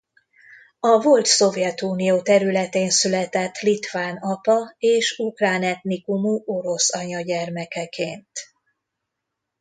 A volt Szovjetunió területén született litván apa és ukrán etnikumú orosz anya gyermekeként.